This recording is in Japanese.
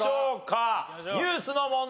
ニュースの問題。